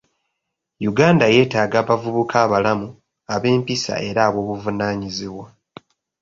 Uganda yeetaaga abavubuka abalamu, ab'empisa era ab'obuvunaanyizibwa.